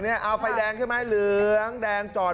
เอาไฟแดงใช่ไหมแดงจอด